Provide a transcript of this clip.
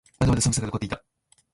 まだまだ寒さが残っていた。